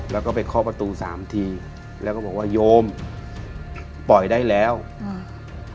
แล้วก็ไปเคาะประตูสามทีแล้วก็บอกว่าโยมปล่อยได้แล้วอืม